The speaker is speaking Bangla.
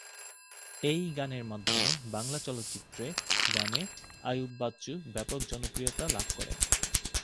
এই গানের মাধ্যমে বাংলা চলচ্চিত্রে গানে আইয়ুব বাচ্চু ব্যাপক জনপ্রিয়তা লাভ করে।